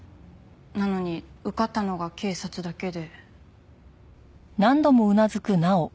なのに受かったのが警察だけで。